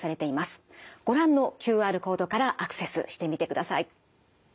ご覧のＱＲコードからアクセスしてみてください。